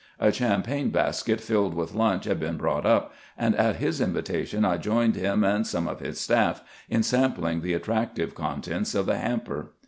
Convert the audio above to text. A cham pagne basket filled with lunch had been brought up, and at his invitation I joined him and some of his staff in sampling the attractive contents of the hamper.